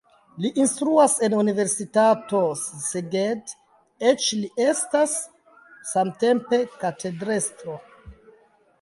Li instruas en universitato Szeged, eĉ li estas samtempe katedrestro.